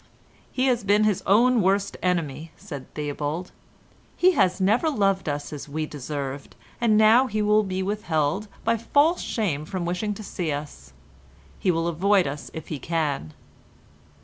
"He has been his own worst enemy," said Theobald. "He has never loved us as we deserved, and now he will be withheld by false shame from wishing to see us. He will avoid us if he can."